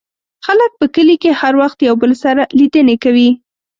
خلک په کلي کې هر وخت یو بل سره لیدنې کوي.